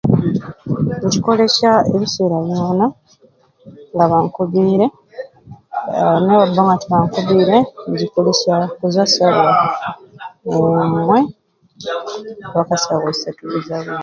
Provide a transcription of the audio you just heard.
Ngikolesya ebiseera byoona nga bankubiire aa nibabba nga tebankubiire ngikolesya kuzwa ku saawa eemwei mpaka saawa isatu ezabwiire.